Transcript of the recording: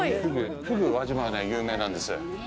ふぐ、輪島はね、有名なんです。